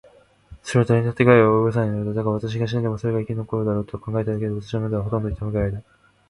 それはだれにだって害は及ぼさないようだ。だが、私が死んでもそれが生き残るだろうと考えただけで、私の胸はほとんど痛むくらいだ。